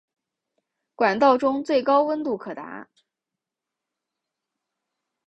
管道中最高温度可达。